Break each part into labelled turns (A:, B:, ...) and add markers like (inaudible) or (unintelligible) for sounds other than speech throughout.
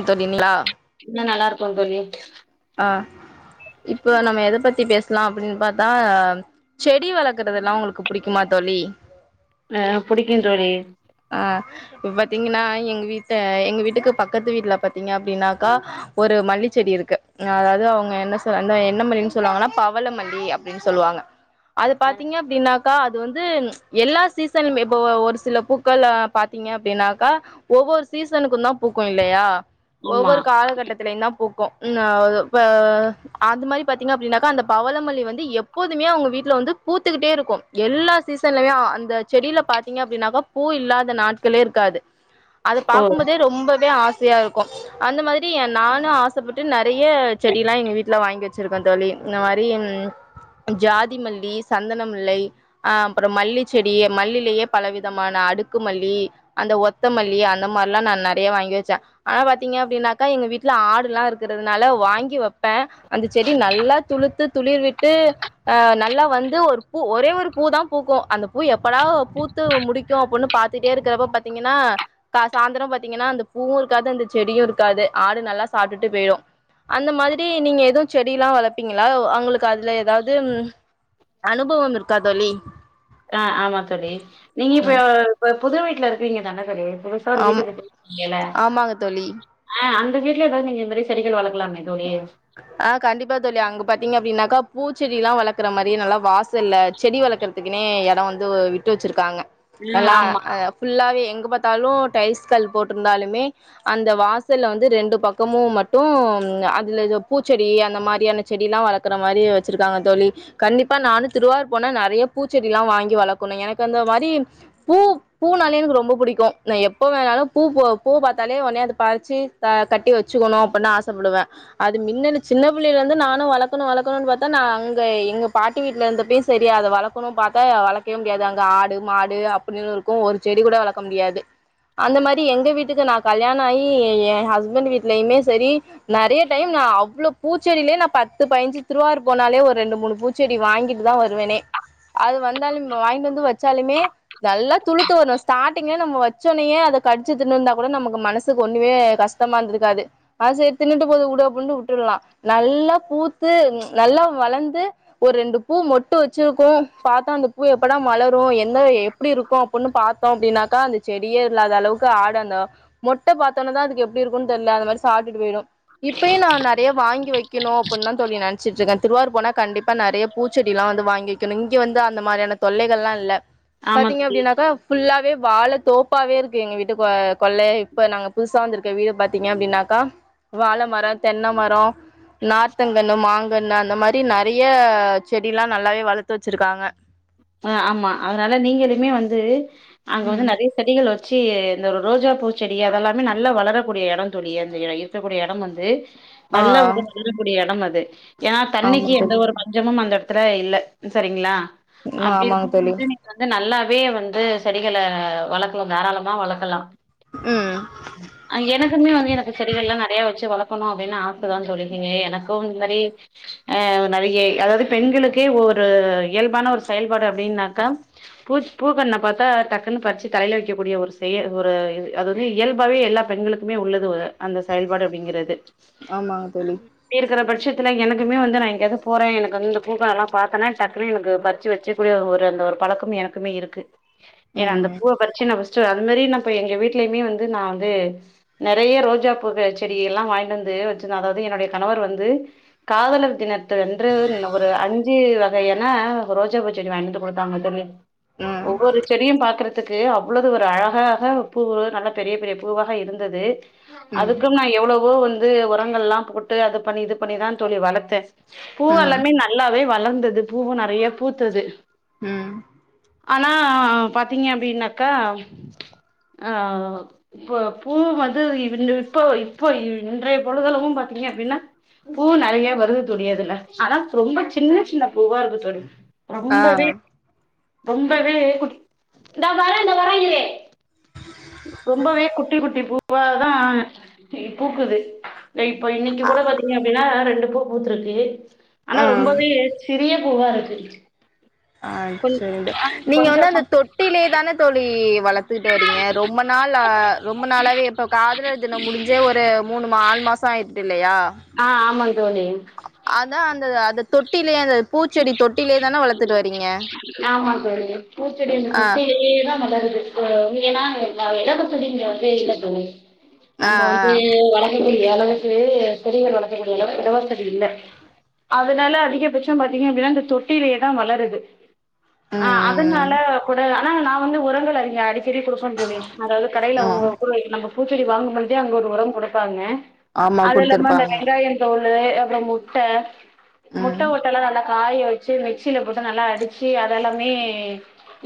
A: என் (unintelligible)
B: ருக்கோ தோழி
A: ஆ இப்ப நம்ம எதப் பத்தி பேச லாம் அப்டின்னு பாத்தா செடி வளர்க்குறதெல்லா உங்களுக்கு புடிக்குமா தோழி
B: ஆஹ் புடிக்கு தோழி
A: ஆ இப்ப பாத்தீங்கன்னா எங்க வீட்டு எங்க வீட்டுக்கு பக்கத்து வீட்ல பாத்தீங்க அப்டின்னாக்கா ஒரு மல்லி செடி இருக்கு அதாவ அவுங்க என்ன சொ என்ன மல்லின்னு சொல்லுவாங்கன்னா பவள மல்லி அப்பிடின்னு சொல்லுவாங்க அது பாத்தீங்க அப்டின்னாக்கா அது வந்து எல்லா சீசன்மே இப்ப ஒரு சில பூக்கள் அ பாத்தீங்க அப்டின்னாக்கா ஒவ்வொரு சீசனுக்கு தா பூக்கும் இல்லையா
B: ஆமா
A: ஒவ்வொரு காலகட்டத்திலயும் தா பூக்கும் (unintelligible) அந்த மாதிரி பாத்தீங்க அப்டின்னாக்கா அந்த பவளமல்லி வந்து எப்போதுமே அவங்க வீட்ல வந்து பூத்துக்கிட்டே இருக்கு எல்லா சீசன்லமே அந்த செடியில பாத்தீங்க அப்டின்னாக்கா பூ இல்லாத நாட்களே இருக்காது அத
B: ஓ
A: பாக்கும்போதே ரொம்பவே ஆ சையாருக்கு அந்த மாரி நானு ஆசப்பட்டு டு ந நறைய செடியலா எங்க வீட் ல வாங்கி வெச்சிருக்கே தோழி இந்த மாரி ஜாதி மல்லி சந்தனமுல்லை அ அப்புறோ மல்லி செடி மல்லிலயே பல விதமான அடுக்கு மல்லி அந்த ஒத்த மல்லி அந்த மாரில்லா நா நறைய வாங்கி வெச்சே ஆனா பாத்தீங்க அப்டின்னாக்கா எங்க வீட்ல ஆடெல்லா இருக் இருக்கறதுனால வாங்கி வெப் பே அந்த செடி நல்லா துளுத்து துளிர்விட்டு அ நல்லா வந்து ஒரு பூ ஒரே ஒரு பூ தா பூக்கும் அந்த பூ எப்படா பூத்து முடிக்கு அப்டின்னு பாத்துட்டே இருக்கிறப்ப பாத்தீங்ன்னா சாயந்திரோ பாத்தீங்கன்னா அந்த பூவும் இருக்காது அந்த செடியும் இருக்காது ஆடு நல்லா சாப்டுட்டு போயிடு அந்த மாதிரி நீங்க எதுவு செடில்லா வளர்ப்பீங்களா அவங்களுக்கு அதுல ஏதாவது அனுபவம் இருக்கா தோழி
B: ஆ ஆமா தோழி நீங்க இப்
A: ம்
B: இப்ப புது வீட்ல இருக்கிறீங்க தான தோழி (unintelligible) ஒரு
A: ஆமா
B: வீட்டுக்கு (inaudible) எல
A: ஆமாங்க தோழி.
B: அ அந்த இந்த வீட்ல ஏதாவது நீங்க இது மாரி செடிகள் வளர்
A: அ கண்டிப்பா தோழி அங்க பாத்தீங்க அப்டின்னாக்கா பூச்சடிலா வளக்குற மாரி நல்ல வாசல்ல செடி வளக்குறதுக்குனே எடோ வந்து விட்டு வச்சுருக்காங்க
B: ஆ
A: நல்லா
B: ஆமா
A: அ புல்லாவே எங்க பாத்தாலு டைல்ஸ் கல் போட்டுருந்தாலுமே அந்த வாசல்ல வந்து ரெண்டு பக்கமும் மட்டும் ம் அதுல பூச்செடி அந்த மாதிரியான செடியெல்லா வளர்க்கற மாரி வச்சிருக்காங்க தோழி கண்டிப்பா நானு திருவாரூர் போனா நறைய பூச்செடிலா வாங்கி வளக்கணு எனக்கு அந்த மாரி பூ பூனாலே எனக்கு ரொம்ப புடிக்கு எப்போ நா எப்போ வேணாலு பூ பூவ பூ பாத்தாலே ஒன்னே அத பறிச்சு கட்டி வெச்சுக்கணு அப்பன்னு ஆச டுவே அது மின்னலு சின்ன புள்ளையில இருந்து நானு வளக்கணு வளக்கணுன்னு பாத்தா நா அங்க எங்க பாட்டி வீட்ல இருந்த பேயு செரி அத வளக்கணு பாத்தா வளக்கவே முடியாது அங்க ஆடு மாடு அப்டின்னு இருக்கு ஒரு செடி கூட வளக்க முடியாது அந்த மாரி எங்க வீட்டுக்கு நா கல்யாணாயி எ என் ஹஸ்பண்ட் வீட்லயுமே செரி நறைய டைம் நா அவ்ளோ பூச்செடியிலயே நா பத்து பயஞ்சு திருவாரூர் போனாலே ஒரு ரெண்டு மூணு பூச்செடி வாங்கிட்டு தா வருவேனே அது வந்தாலு வாங்கிட்டு வந்து வெச்சாலுமே நல்லா துளுத்து வரணு ஸ்டார்டிங்ல நம்ம வச்சோடனே அத கடிச்சு தின்னுருந்தா கூட நமக்கு மனசுக்கு ஒன்னுமே கஷ்டமா இருந்திருக்காது அது சரி தின்னுட்டு போது உடு அப்டின்னு விட்ருலா நல்லா பூத்து நல்லா வளந்து ஒரு ரெண்டு பூ மொட்டு வச்சுருக்கு பாத்தோ அந்த பூ எப்படா மலரு எந்த எப்பிடி இருக்கு அப்புடின்னு பாத்தோ அப்டின்னாக்கா அந்த செடியே இல்லாத அளவுக்கு ஆட அந்த மொட்டு பாத்தோன தா அதுக்கு எப்பிடி இருக்குன்னு தெரியல அது மாரி சாப்ட்டுட்டு போயிடு இப்பயு நா நறைய வாங்கி வைக்கணு அப்பன்னு தா தோழி நெனைச்சிட்டுருக்கே திருவாரூர் போனா கண்டிப்பா நறைய பூச்செடிலா வந்து வாங்கிக்கணு இங்க வந்து அந்த மாரியான தொல்லைகள்லா இல்ல
B: ஆமா
A: பாத்தீங்க
B: தோழி
A: அப்டின்னாக்கா ஃபுல்லாவே வாழை தோப்பாவே இருக்கு எங்க வீட்டு கொள்ளை இப்ப நாங்க புதுசா வந்திருக்க வீடு பாத்தீங்க அப்படின்னாக்கா வாழை மரம் தென்னை மரம் நா்த்தங்கனு மாங் கண்ண அந்த மாரி நிறைய செடிலாம் நல்லாவே வளர்த்து வச்சிருக்காங்க
B: ஆமா அதனால நீங்களளுமே வந்து அங்க வந்து நிறைய செடிகள் வச்ச வச்சு இந்த ஒரு ரோஜா பூச்செடி அதெல்லாமே நல்லா வளரக்கூடிய இடம் தோழி அந்த இடம் இருக்கக்கூடிய இடம் வந்து
A: ஆ
B: நல்ல ஒரு வல்லக்கடிய இடம் அது அது ஏன்னா
A: ஆமா
B: தண்ணிக்கு எந்த
A: தோழி
B: ஒரு பஞ்சமும் அந்த ல இல்ல சரிங்களா
A: ம்
B: அப்டி
A: ஆமாங்க தோழி
B: இருக்குபோதுநீங்க வந்து நல்லா வே வந்து செடிகளை வளர்க்கலும் தாராளமா வளர்க்கலாம்
A: ம்
B: அ எனக் வந்து எனக்கு செடிகள்லாம் நிறைய வச்சு வளர்க்கணும் அப்படின்னு ஆசைதான் சொல்லீங்க எனக்கும் இந்த மாரி ஆஹ் நிறைய அதாவது பெண்களுக்கே ஒரு இயல்பான ஒரு செயல்பாடு அப்படின்னாக்கா பூ பூக்கண்ண பாத்தா டக்குன்னு பறிச்சு தலையில வைக்கக்கூடிய ஒரு செய ஒரு இ அது வந்து இயல்பாகே எல்லா பெண்களுக்குமே உள்ளது அந்த செயல்பாடு அப்படிங்கிறது
A: ஆமாதோலி
B: ஷத்துல எனக்குமே வந்து நான் எங்கோவது போறேன் எனக்கு வந்து பூக்கல்லாம் பாத்தனா டக்குனு எனக்கு பறிச்சு வச்ச வச்சக்கூடிய ஒரு அந்த ஒரு பழக்கம் எனக்குமே இருக்கு ஏன்னா அந்த
A: ம்
B: பூவை பறிச்சு அது மாரி நான் எங்க வீடலயுமே வந்து நான் வந்து நிறைய ரோஜா பூ செடிலாம் வாய்ண்டு வந்து வச்சிருந்தேன் அதாவது என்னுடைய கணவர் வந்து காதலர் தின வென்று ஒரு அஞ்சு ஏன்னா ரோஜ சரி வாய்ந்து கொடுப்பாங்க தோழி
A: ம்
B: ஒவ்வொரு செடியும் பாக்குறது த்துக்கு அவ்வளது ஒரு அழகாக பூவு நல்ல பெரிய பெரிய பூவாக இருந்தது
A: ம்
B: அதுக்கும் நான் எவ்வளவோ வந்து வந்து உரங்கள்லாம் போட்டு அது பண்ணி இது பண்ணிதான் தோழி வளர்த்தேன் பூ
A: ம்
B: எல்லாமே நல்லாவே வ வளர்ந்தது பூவும் நிறைய பூத்து து
A: உஹம்
B: ஆனா பாத்தீங்க அப்படின்னாக்கா ஆஹ் இப்போ பூ வந்து இப்போ இப்போ இன்றைய பொழுதுலவும் பாாரத்தீங்க அப்படின்னா பூ நிறைய வருது தணதுல ஆனா ரொம்ப சின்ன சின்ன பூவா இருக்கு துண
A: ஆ
B: ரொம்பவே பொங்கவே குடி இந்தான் வர இந்த வர ரொம்பவே குட்டி குட்டி பூ போ அததான் பூக்குது இ இப்ப இன்னிக்கு கூட பாத்தீங்க அப்டீன்னா ரெண்டு பூ த்ருக்கு ஆனா ரொம்பவே சிறிய பூவா இருக்கு சரி
A: அஹ் சரி நீங்க வந்து
B: கொஞ்சமா
A: அந்த தொட்டிலேதான தோழி வளர்த்துட்டு வரீங்க ரொம்ப நாள் ரொம்ப நாளாவே இப்ப காதலர்தினம் முடிஞ்சே ஒரு மூணு நாலு மாசம் ஆயிடுச் இல்லயா
B: ஆ ஆமாங் தோழி
A: அதான் அந்த அத தொட்டி (unintelligible)
B: ஆமாடுது பூச்சடியந்து
A: ஆ
B: குட்டி ஏதா மத ஏனா ந் எல்ல கத்துதுங்க வத்தே இல்ல சொ
A: ஆ ஆ
B: நம்ம வந்து வக்க அளவுக்கு பெரியர் வளர்கக்கூடிய அளவுக்கு இடவசதி இல்ல அதனால அதிகபட்சம் பாத்தீங்க அப்படின்னா இந்தந்த தொட்டிலேயே தான் வளருது ஆஹ்
A: ம் ம்
B: அதனால கூட ஆனா நான் வந்து உரங்கள் அறிங்க அடிச்சு சரி குடுப்போனு சொல்லி அதாவது கடைல
A: ம்
B: வாங்கறவுங்க கூட நம்போ பூச்செடி வாங்கும்பொழுதே அங்க ஒரு உரம் குடுப்பாங்க
A: ஆமா
B: அதுவோல்லாம இந்த
A: குடுத்துருப்பாங்க
B: வெங்காயோ தோல் ஸ்ப்றே அப்றோ முட்ட முட்ட
A: ம்
B: ஓட் நல்லா காய வெச்சு மிக்சியில போட்டு நல்லா அடிச்சு அதெல்லாமே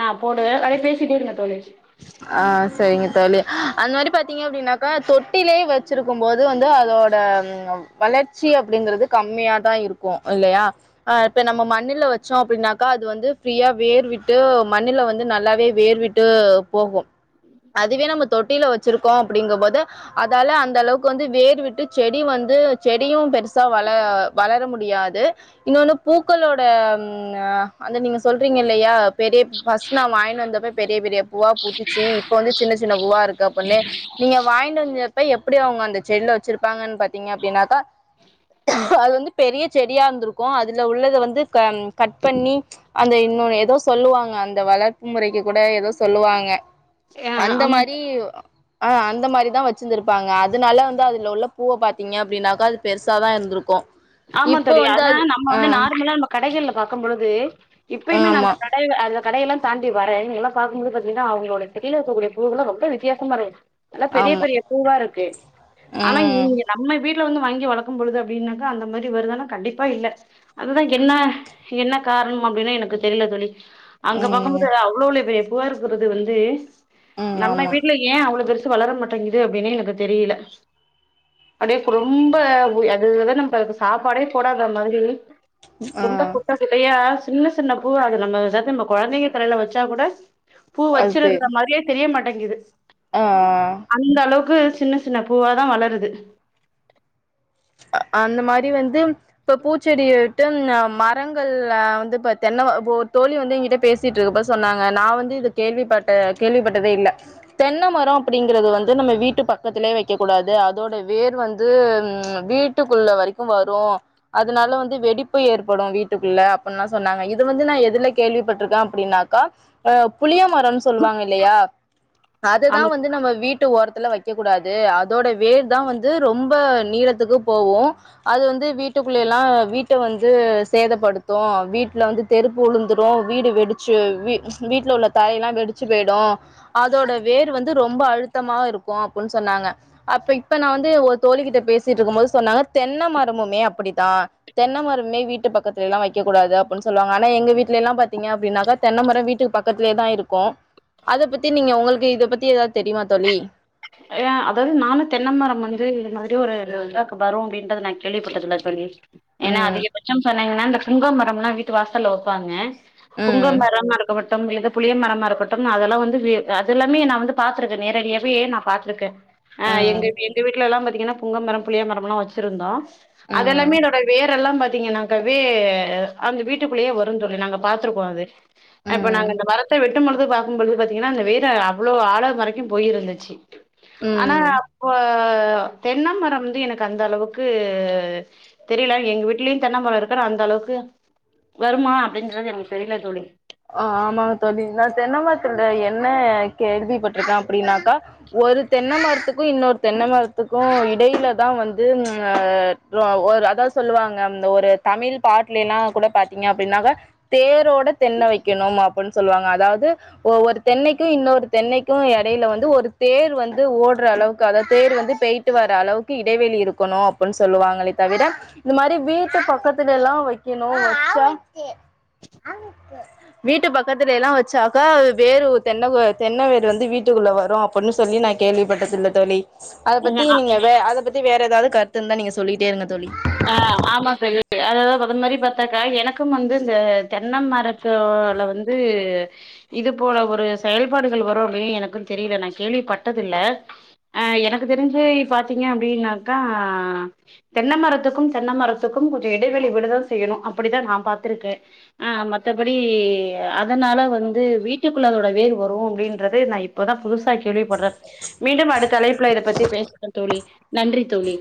B: நான் போடுவேன் அப்டீயே பேசிட்டே இருங்க தோழி
A: ஆ சரிங்க தோழி அந்த மாரி பாத்தீங்க அப்டின்னாக்கா தொட்டிலேயே வெச்சிருக்கோ போது வந்து அதோட வளர்ச்சி அப்டிங்கறது கம்மியாாதா இருக்கோ இல்லையா ஆ இப்ப நம்ம மண்ணில வெச்சோ அப்டின்னாக்கா அது வந்து ஃப்ரீயா வேர்விட்டு மண்ணில வந்து நல்லாவே வேர்விட்டு போகும் அதுவே நம்ம தொட்டில வெச்சிருக்கோ அப்டீங்கும் போது அதால அந்த அளவுக்கு வந்து வேர் விட்டு செடி வந்து செடியும் பெருச வள வளர முடியாது இன்ன வந்து பூக்களோட அந்த நீங்க சொல்றீங்க இல்லையா பெரிய ஃப்ர்ஸ்ட் நா வாங்கினு வந்தப்ப பெரிய பெரிய பூ ச்சு இப்ப வந்து சின்ன சின்ன உவா இருக்கு அப்புண்ணு நீங்க வாங்கின்டு வந்து எப்ப எப்புடி அவுங்க அந்த செட்ல வச்சிருப்பாங்கன் பாத்தீங்க அப்டின்னாக்கா அது வந்து பெரிய செடியா இருந்திருக்கு அதுல உள்ளத வந்து க ம் கட் பண்ணி அந்த இன்னோனு எதோ சொல்லுவாங்க அந்த வளர்ப்பு மொறைக்கு கூட ஏதோ சொல்லுவாங்க
B: ஆ
A: அந்த
B: ஆமா
A: மாரி ஆஹ் அந்த மாரி தான் வச்சிந்திருப்பாங்க அதுனால வந்து அதுல உள்ள பூவ பாத்தீங்க அப்டின்னாக்கா அது பெருசாதா இருந்திருக்கு
B: ஆமா
A: இப்ப
B: தோழி
A: வந்து
B: அதுனா
A: அது
B: நம்ம
A: ஆ
B: வந்து நாருமுலா நம்ம கடைகள்ல பாக்கம் பொழுது இப்பயுமே நா
A: ஆமா
B: அந்த கடைல அதா கடையெல்லா தாண்டி வரே எல்லா பாக்குமோது பாத்திங்னா அவுங்களோட செடில இருக்க கூடிய பூவுலா ரொம்ப வித்யாசமா இருந்ச்சு நல்லா பெரிய
A: ஆமா
B: பெரிய பூவா இருக்கு ஆனா
A: ம்
B: இங் நம்ம வீ ட்ல வந்து வாங்கி வளக்கும்பொழுது அப்டின்ன தா அந்த மாரி வருதானா கண்டிப்பா இல்ல அதுதா என்னா என்ன கார்ணு அப்டினா எனக்கு தெர்ல தோழி அங்க
A: ம்
B: பாக்கும்மோது அவுளோலே பெரிய பூவா இருக்குறது வந்து
A: ம்
B: நம்ம
A: ஆமா
B: வீட்ல ஏ அவ்ளோ பெருஸ் வளர மாட்டேங்குது அப்டின்னே எனக் அத் தெரியில அப்டியே ஃபுடு ரொம்ப உ அது இத தா நம் அதுக்கு சாப்பாடே போடாத மாதுரி
A: ஆ
B: எந்த குட்ட குட்டயா சின்ன சின்ன பூ அது நம்ம எதாது நம்ம கொழந்தைங்க தலைல வச்சா கூட பூ
A: அது பேர்
B: வச்சிருக்குற மாரியே தெரிய மாட்டேங் இரு
A: ஆ ஆ
B: அந் அளவ்க்கு சின்ன சின்ன பூவாதா வளருது
A: அ அந்த மாரி வந்து இப்ப பூச்செடி விட்டு நா மரங்கள்ல வந்து இப்ப தென்ன வ போ ஒரு தோழி வந்து எங்கிட்ட பேசிட்ரூப சொன்னாங்க நா வந்து இத கேள்விப்பட்ட கேள்விப்பட்டதே இல்ல தென்ன மரோ அப்டிங்குறது வந்து நம்ம வீட்டு பக்கத்துலே வைக்க கூடாது அதோட வேர் வந்து ம் வீட்டுக்குள்ள வரிக்கு வரு அதுனால வந்து வெடிப்பு ஏற்படு வீட்டுக்குள்ள அப்புன்னா சொன்னாங்க இது வந்து நான் எதுல கேள்விப்பட்ருக்க அப்டின்னாக்கா அ புளிய மரோன் சொல்லுவாங்க இல்லயா அதுதா
B: ஆமா
A: வந்து நம்ம வீட்டு ஓரத்துல வக் கே கூடாது அதோட வேர் தா வந்து ரொம்ப நீளத் துக்கு போகு அது வந்து வீட்டுக்குள்ளேலா வீட்ட வந்து சேதப்படுத்து வீட்ல வந்து தெருப்பு உழுந்துரு வீடு வெடிச்சு வீ வீட்ல உள்ள தரைலா வெடிச்சு பேய்டு அதோட வேர் வந்து ரொம்ப அழுத்தமா இருக்கு அப்புன் சொன்னாங்க அப்ப இப்ப நா வந்து ஒர் தோழி கிட்ட பேஸ் சீட்ருக்குமோது சொன்னாங்க தென்ன மரமுமே அப்புடிதா தென்ன மரமே வீட்டு பக்கத்துலலா வைக்க கூடாது அப்புன் சொல்வாங்க ஆனா எங்க வீட்லேலா பாத்தீங்க அப்டின்னாக்கா தென்ன மர வீட்டுக்கு பக்கத்திலேதா இருக்கூ அத பத்தி நீங்க உங்கள்க்கு இது பத்தி எதாது தெரியுமா தோழி
B: ஏ அதாவ்து நானு தென்னம் மரம் வந்து இது மாதிரி ஒரு இது இதாக்கு வரு அப்டின்றது நா கேள்விப்பட்டதில்ல தோழி ஏனா
A: ம்
B: அதிகபட்சம் சர் னைங்னா இந்த புங்க மரமுனா வீட்டு வாசல்ல வப்பாங்க
A: ம்
B: புங்கமரம் அரக்க பட் டும் இது புளிய மரமா இருக்கட்டும் அதெல்லா வந்து வீ அது எல்லாமே நா வந்து பாத்திருக்க நேரடியாவே நா பாத் இருக்க அ எங்க
A: ம்
B: வீ எங்க வீட்லலா பத் தீங்கனா புங்க மரம் புளிய மரமுலா வச்சிருந்தோ
A: ம்
B: அதெல்லாமே என்னோட வேர் எல்லா பத் தீங்கனாக்காவே அந்த வீட்டுக்குள்ளயே வரு தோழி நாங்க பாத்துருக்கோ அது அப்ப நாங்க
A: ம்
B: அந்த மரத்த வெட்டும்பொழுது பாக்கும்பொழுது பாத்தீங்கன்னா அந்த வேற அவ்ளோ ஆழ வரக்கு போயிருந்துச்சு அனா
A: ம்
B: அப்ப அ தென்னமரம் வந்து எனக்கு அந்த அளவுக்கு தெரில எங்க வீட்லயு தென்ன மரோ இருக்கு ஆனா அந்த அளவுக்கு வருமா அப்டின்றது எனக்கு தெரில தோழி
A: அ ஆமாங்க தோழி நா தென்னமரத்துல என்ன கேள்விப்பட்ருக்க அப்டின்னாக்கா ஒரு தென்ன மரத்துக்கு இன்னொரு தென்னைமரத்துக்கு இடைல தா வந்து அ அதா சொல்லுவாங்க அந்த ஒரு தமிழ் பாட்லே எல்லா கூட பாத்தீங்க அப்டின்னாக்கா தேரோட தென்ன வைக்கணும் அப்புன் சொல்லுவாங்க அதாவ்து ஒ ஒரு தென்னைக்கு இன்னொரு தென்னைக்கு எடைல வந்து ஒரு தேர் வந்து ஓட்ற அளவுக்கு அதாது தேர் வந்து பேய்ட்டு வர்ற அளவுக்கு இடைவெளி இருக்கணு அப்படின் சொல்லுவாங்களே தவிர இந்த மாரி வீட்டு பக்கத்துல எல்லா வக்கிணு வச்சா வீட்டு பக்கத்துல எல்லா வச்சாக்கா வேறு தென்ன தென்ன வேறு வந்து வீட்டுக்குள்ள வரு அப்டின் சொல்லி நா கேள்விப்பட்டதுல்ல தோழி அத பத்தி நீங்க வே அத பத்தி வேற ஏதாவது கருத்து இருந்தா நீங்க சொல்லிட்டே இருங்க தோழி
B: ஆ ஆமா சரி அதது அத மாரி பாத்தாக்கா எனக்கு வந்து இந்த தென்ன மரத்தல வந்து இது போல ஒரு செயல்பாடுகள் வரு அப்டின்னு எனக்கு தெரில நா கேள்விப்பட்டதுல்ல அ எனக்கு தெரிஞ்சு பாத்தீங்க அப்டின்னாக்கா தென்ன மரத்து த்துக்கும் தென்னமரத்துக்கும் கொஞ்ச இடைவெளி விடதா செய்யணு அப்படித்தா நா பாத்திருக்க ஆ மத்தபடி அதனால வந்து வீட்டுக்குள்ள அதோட வேர் வரு அப்டின்றது நா இப்பதா புதுசா கேள்விப்படுற மீண்டும் அடுத்தலைப்புல இத பத்தி பேசலா தோழி நன்றி தோழி